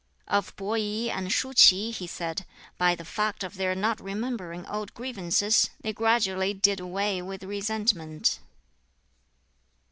Of Peh I and Shuh Ts'i he said, "By the fact of their not remembering old grievances, they gradually did away with resentment."